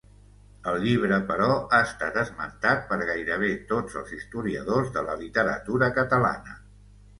El llibre, però, ha estat esmentat per gairebé tots els historiadors de la literatura catalana.